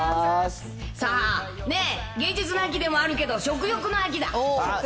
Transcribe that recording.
さあ、芸術の秋でもあるけど、食欲の秋だ。